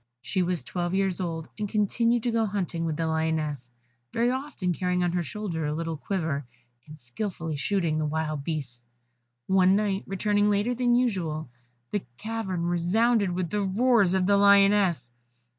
She was twelve years old, and continued to go hunting with the Lioness, very often carrying on her shoulder a little quiver, and skilfully shooting the wild beasts. One night, returning later than usual, the cavern resounded with the roars of the Lioness.